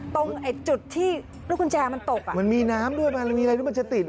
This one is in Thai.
ตรงไอ้จุดที่ลูกกุญแจมันตกอ่ะมันมีน้ำด้วยมันมีอะไรที่มันจะติด